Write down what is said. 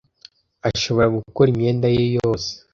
Ashobora gukora imyenda ye yose.